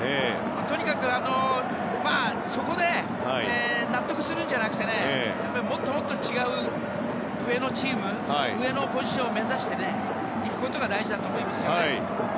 とにかく、そこで納得するんじゃなくてもっと違う上のチーム上のポジションを目指していくことが大事だと思います。